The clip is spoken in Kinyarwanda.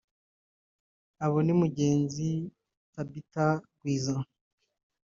Abo ni Mugenzi Thabita Gwiza